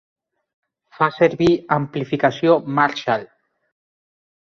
Fa servir amplificació Marshall.